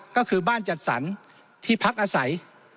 ก็คือบ้านจัดสรรที่พักอาศัย